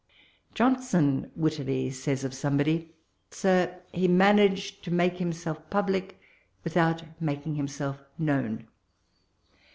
Johnson wittilji says of somebody, '*Sir, he manag|d to make himself public without making himself known.